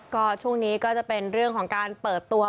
ก็ช่วงนี้ก็จะเป็นเรื่องของการเปิดตัว